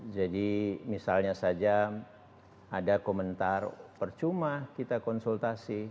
jadi misalnya saja ada komentar percuma kita konsultasi